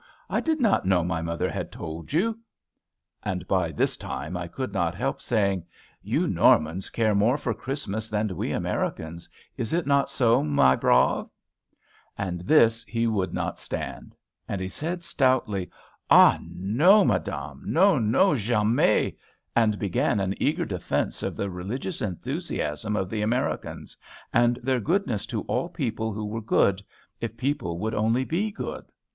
I did not know my mother had told you!" And by this time I could not help saying, "You Normans care more for Christmas than we Americans; is it not so, my brave?" And this he would not stand; and he said stoutly, "Ah, no, madame! no, no, jamais!" and began an eager defence of the religious enthusiasm of the Americans, and their goodness to all people who were good, if people would only be good.